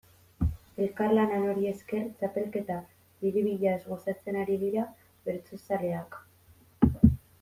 Elkarlan horri esker, txapelketa biribilaz gozatzen ari dira bertsozaleak.